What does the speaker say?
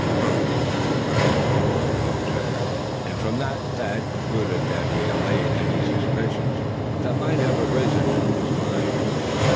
"Huh!" grunted the mountaineer; and from that Thad concluded that he had allayed any suspicions that may have arisen in his mind.